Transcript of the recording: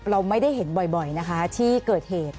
เราไม่ได้เห็นบ่อยนะคะที่เกิดเหตุ